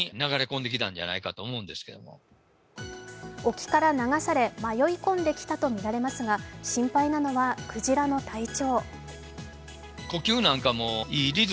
沖から流され迷い込んできたとみられますが心配なのは、クジラの体調。